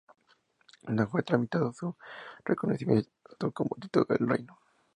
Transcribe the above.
Nunca fue tramitado su reconocimiento como título del reino.